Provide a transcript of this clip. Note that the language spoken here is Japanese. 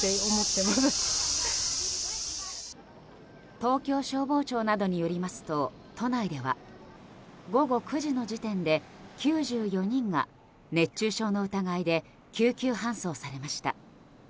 東京消防庁などによりますと都内では午後９時の時点で９４人が熱中症の疑いで救急搬送されました。